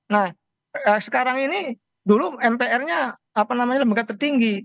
nah sekarang ini dulu mpr nya apa namanya lembaga tertinggi